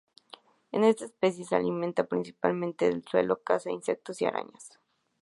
Esta especie se alimenta principalmente del suelo y caza insectos y arañas.